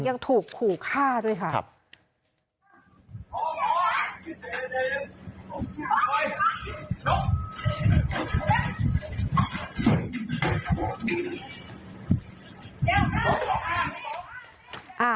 ยังถูกขู่ฆ่าด้วยค่ะ